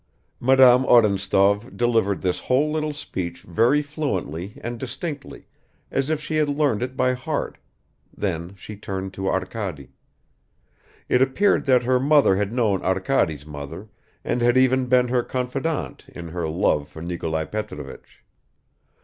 Madame Odintsov delivered this whole little speech very fluently and distinctly, as if she had learned it by heart; then she turned to Arkady. It appeared that her mother had known Arkady's mother and had even been her confidante in her love for Nikolai Petrovich.